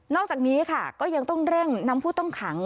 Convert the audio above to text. อกจากนี้ค่ะก็ยังต้องเร่งนำผู้ต้องขัง